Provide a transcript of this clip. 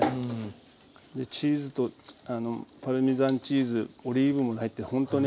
チーズとパルメザンチーズオリーブも入ってほんとね